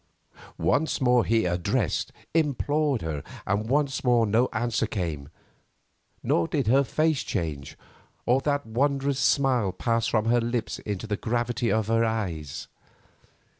Once more he addressed—implored her, and once more no answer came; nor did her face change, or that wondrous smile pass from her lips into the gravity of her eyes.